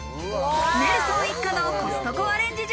ネルソン一家のコストコアレンジ術。